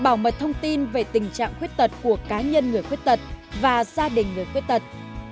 bảo mật thông tin về tình trạng khuyết tật của cá nhân người khuyết tật và gia đình người khuyết tật